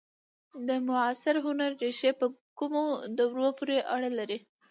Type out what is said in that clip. د معاصر هنر ریښې په کومو دورو پورې اړه لري؟